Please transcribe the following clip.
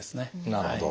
なるほど。